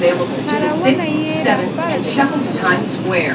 هره ونه یې رهبره د لښکر وه